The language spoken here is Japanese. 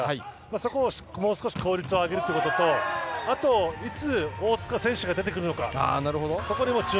そこを効率上げるということとあと、いつ大塚選手が出てくるのか。